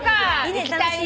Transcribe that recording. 行きたいな。